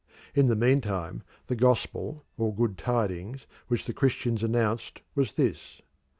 In the meantime the gospel or good tidings which the Christians announced was this.